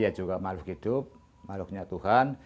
saya juga malu hidup malu kehidupan tuhan